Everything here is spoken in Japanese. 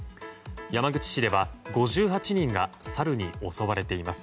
山口市では５８人がサルに襲われています。